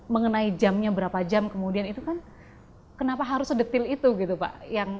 mengenai jamnya berapa jam kemudian itu kan kenapa harus sedetil itu gitu pak